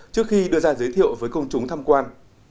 trước khi đưa ra giới thiệu với công chúng tham quan